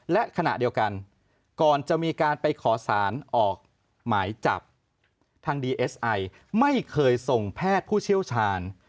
และขณะเดียวกันก่อนจะมีการไปขอสารออกหมายจับทางดีเอสไอไม่เคยส่งแพทย์ผู้เชี่ยวชาญ